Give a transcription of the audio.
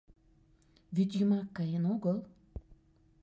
Вӱд йымак каен огыл?